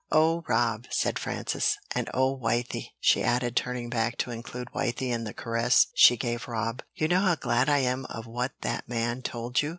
"Oh, Rob," said Frances, "and oh, Wythie," she added, turning back to include Wythie in the caress she gave Rob, "you know how glad I am of what that man told you!